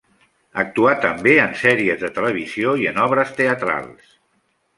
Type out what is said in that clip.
Actuà també en sèries de televisió i en obres teatrals.